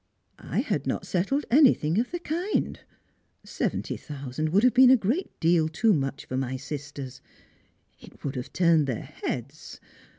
" I had not settled anything of the kind. Seventy thousand would have been a great deal too much for my sisters ; it would have turned their heads.